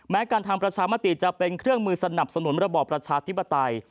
การทำประชามติจะเป็นเครื่องมือสนับสนุนระบอบประชาธิปไตย